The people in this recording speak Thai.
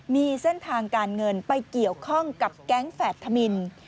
มีเส้นทางการเงินไปเกี่ยวข้องกับแก๊งแฝดธมิน